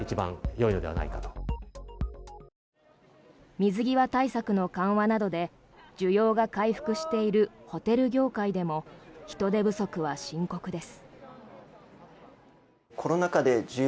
水際対策の緩和などで需要が回復しているホテル業界でも人手不足は深刻です。